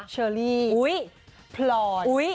เชอร์ลี่พลอด